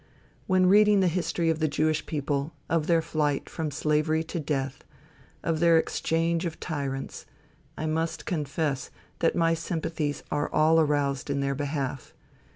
When reading the history of the Jewish people, of their flight from slavery to death, of their exchange of tyrants, I must confess that my sympathies are all aroused in their behalf.